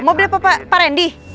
mobilnya pak randy